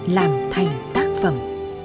làm thành tác phẩm